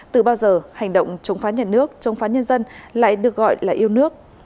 từ bao giờ hành động chống phá nhà nước chống phá nhân dân lại được gọi là yêu nước